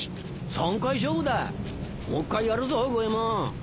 ３回勝負だもう１回やるぞ五ェ門。